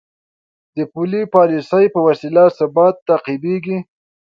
د پولي پالیسۍ په وسیله ثبات تعقیبېږي.